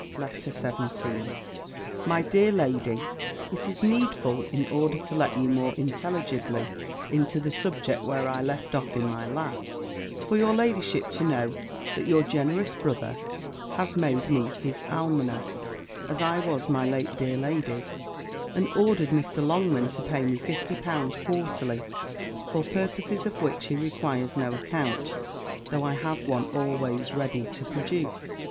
B. LETTER XVII MY DEAR LADY, It is needful, in order to let you more intelligibly into the subject where I left off in my last, for your ladyship to know that your generous brother has made me his almoner, as I was my late dear lady's; and ordered Mr. Longman to pay me fifty pounds quarterly, for purposes of which he requires no account, though I have one always ready to produce.